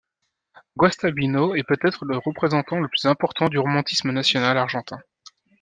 Guastavino est peut-être le représentant le plus important du romantisme national argentin.